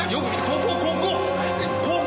ここここ！